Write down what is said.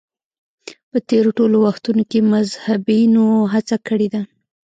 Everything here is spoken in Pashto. په تېرو ټولو وختونو کې مذهبیونو هڅه کړې ده